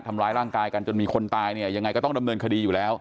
ทำร้ายร่างกายกันจนมีคนตายเนี่ยยังไงก็ต้องดำเนินคดีอยู่แล้ว